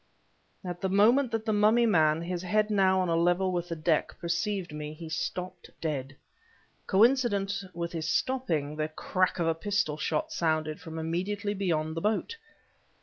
At the moment that the mummy man his head now on a level with the deck perceived me, he stopped dead. Coincident with his stopping, the crack of a pistol shot sounded from immediately beyond the boat.